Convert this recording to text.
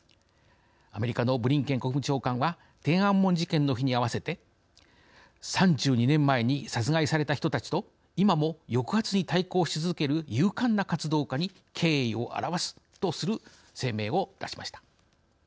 アメリカのブリンケン国務長官は天安門事件の日に合わせて「３２年前に殺害された人たちと今も抑圧に対抗し続ける勇敢な活動家に敬意を表す」とする声明を出しました。